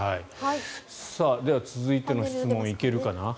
では、続いての質問いけるかな。